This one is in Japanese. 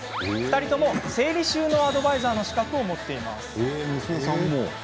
２人とも整理収納アドバイザーの資格を持っています。